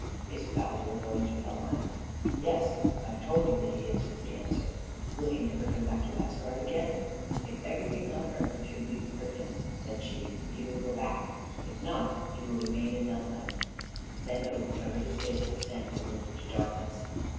Is Baldur going to Helheim?" "Yes, I've told you that he is," was the answer. "Will he never come back to Asgard again?" "If everything on earth should weep for him," said she, "he will go back; if not, he will remain in Helheim." Then Odin covered his face with his hands and looked into darkness.